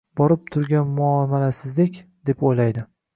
Borib turgan muomalasizlik», — deb o'ylaydi.